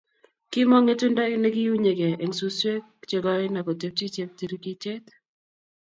Kimong ngetundo nekiunyekei eng suswek che koen akotepchi cheptikirchet